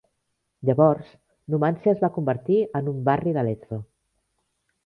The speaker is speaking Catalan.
Llavors, Numancia, es va convertir en un "barri" de Lezo.